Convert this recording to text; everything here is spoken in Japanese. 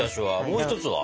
もう一つは？